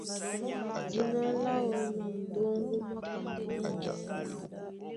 Dína láō ná Muɗóŋgó mwá Kamerûn.